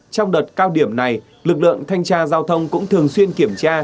trong đợt cao điểm này lực lượng thanh tra giao thông cũng thường xuyên kiểm tra